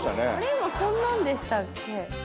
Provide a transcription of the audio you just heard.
今こんなんでしたっけ？